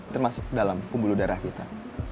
termasuk ke dalam kumbu udara kita